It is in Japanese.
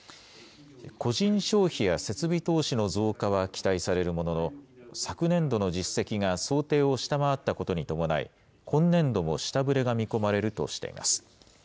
個人消費や設備投資の増加は期待されるものの、昨年度の実績が想定を下回ったことに伴い、今年度も下振れが見込まれるとしています。